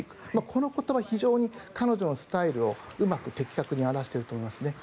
このことは非常に彼女のスタイルをうまく的確に表していると思いますね。